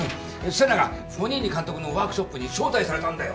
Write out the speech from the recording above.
瀬那がフォニーニ監督のワークショップに招待されたんだよ。